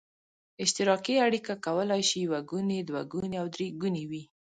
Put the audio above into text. اشتراکي اړیکه کولای شي یو ګونې، دوه ګونې او درې ګونې وي.